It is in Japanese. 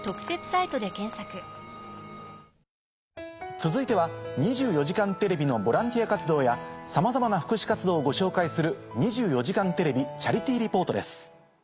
続いては『２４時間テレビ』のボランティア活動やさまざまな福祉活動をご紹介する。